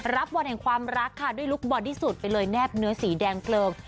วันแห่งความรักค่ะด้วยลูกบอลที่สุดไปเลยแนบเนื้อสีแดงเพลิง